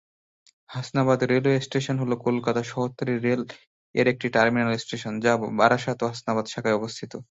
Hasnabad railway station হল কলকাতা শহরতলি rail এর একটি টার্মিনাল স্টেশন যা বারাসত-হাসনাবাদ শাখায় অবস্থিত।